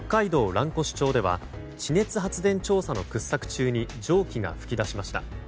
蘭越町では地熱発電調査の掘削中に蒸気が噴き出しました。